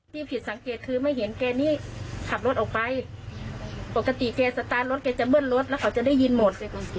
ที่ผิดสังเกตคือไม่เห็นแกนี่ขับรถออกไปปกติแกสตาร์ทรถแกจะเบิ้ลรถแล้วเขาจะได้ยินหมด